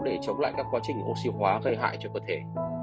để chống lại các quá trình oxy hóa gây hại cho cơ thể